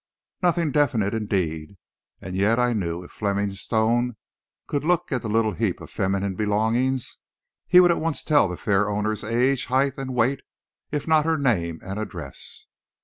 Nothing definite, indeed, and yet I knew if Fleming Stone could look at the little heap of feminine belongings, he would at once tell the fair owner's age, height, and weight, if not her name and address.